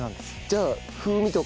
じゃあ風味とか。